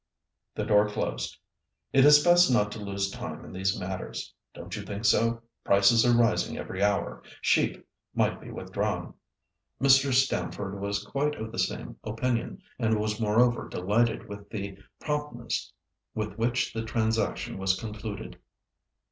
The door closed. "It is best not to lose time in these matters. Don't you think so? Prices are rising every hour; sheep might be withdrawn." Mr. Stamford was quite of the same opinion, and was moreover delighted with the promptness with which the transaction was concluded.